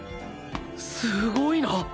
すごいな。